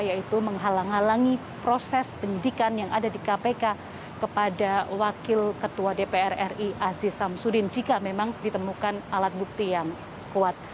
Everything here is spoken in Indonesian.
yaitu menghalang halangi proses penyidikan yang ada di kpk kepada wakil ketua dpr ri aziz samsudin jika memang ditemukan alat bukti yang kuat